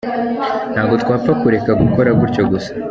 Ntabwo twapfa kureka gukora gutyo gusa.